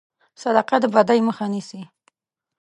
صدقه د بدي مخه نیسي.